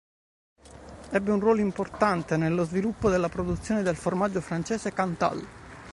Ebbe un ruolo importante nello sviluppo della produzione del formaggio francese Cantal.